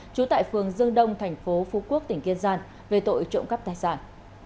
trú tại phường dương đông thành phố phú quốc tỉnh kiên giang về tội trộm cắp tài sản